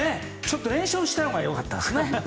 連勝したほうが良かったですね。